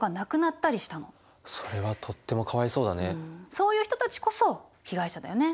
そういう人たちこそ被害者だよね。